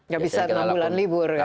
ya bisa enam bulan libur ya